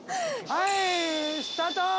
はいスタート！